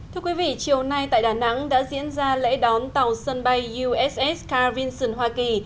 thưa quý vị chiều nay tại đà nẵng đã diễn ra lễ đón tàu sân bay uss caringson hoa kỳ